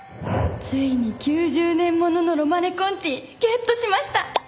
「ついに９０年物のロマネコンティゲットしました」